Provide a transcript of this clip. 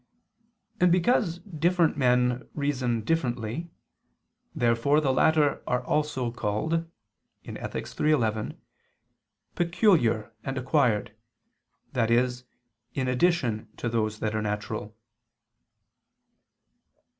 And because different men reason differently, therefore the latter are also called (Ethic. iii, 11) "peculiar and acquired," i.e. in addition to those that are natural.